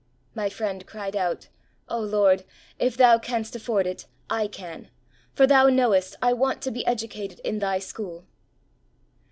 My friend cried out, " O Lord, if Thou canst afford it, I can, for Thou k no west I want to be educated in Thy school